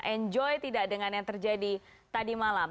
enjoy tidak dengan yang terjadi tadi malam